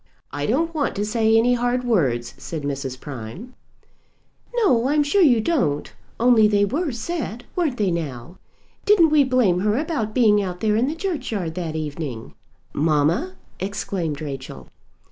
"I don't want to say any hard words," said Mrs. Prime. "No; I'm sure you don't; only they were said, weren't they, now? Didn't we blame her about being out there in the churchyard that evening?" "Mamma!" exclaimed Rachel.